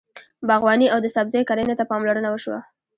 باغواني او د سبزۍ کرنې ته پاملرنه وشوه.